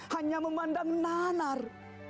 hanya memandang nanar